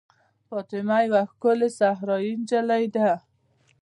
فاطمه یوه ښکلې صحرايي نجلۍ ده.